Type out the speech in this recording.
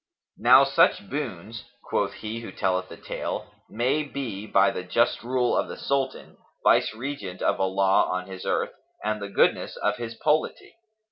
"[FN#279] "Now such boons (quoth he who telleth the tale) may be by the just rule of the Sultan, Vice regent of Allah on His earth, and the goodness of his polity.